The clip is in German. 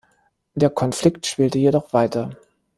Der Konflikt schwelte jedoch weiter.